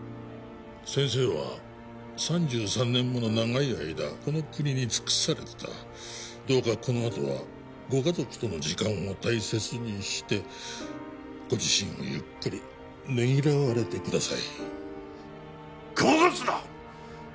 先生は３３年もの長い間この国に尽くされてたどうかこのあとはご家族との時間を大切にしてご自身をゆっくりねぎらわれてくださいごまかすな！